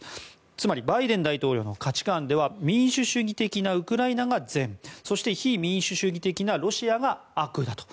つまりバイデン大統領の価値観では民主主義的なウクライナが善そして非民主主義的なロシアが悪だと。